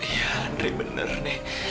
iya nek bener nek